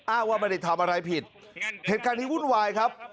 ว่าไม่ได้ทำอะไรผิดเหตุการณ์นี้วุ่นวายครับ